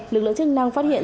lực lượng chức năng phát hiện